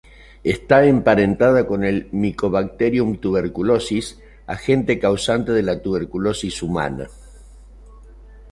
Está emparentada con el mycobacterium tuberculosis, agente causante de la tuberculosis humana.